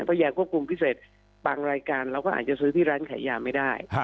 เพราะยาควบคุมพิเศษบางรายการเราก็อาจจะซื้อที่ร้านขายยาไม่ได้